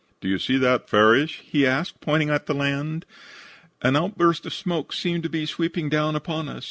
"'Do you see that, Farrish?' he asked, pointing at the land. An outburst of smoke seemed to be sweeping down upon us.